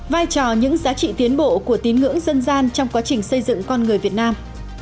vai trò những giá trị tiến bộ của tín ngưỡng dân gian trong quá trình xây dựng con người việt nam